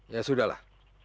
ya sudah lah